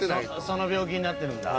その病気になってるんだ。